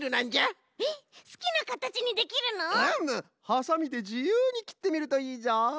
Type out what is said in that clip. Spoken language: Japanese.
ハサミでじゆうにきってみるといいぞ。